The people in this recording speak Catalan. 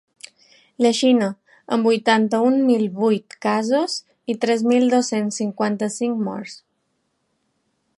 La Xina, amb vuitanta-un mil vuit casos i tres mil dos-cents cinquanta-cinc morts.